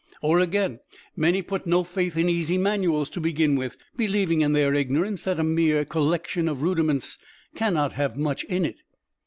Or again, many put no faith in easy manuals to begin with, believing, in their ignorance, that a mere collection of rudiments cannot have much in it.